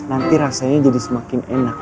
nanti rasanya jadi semakin enak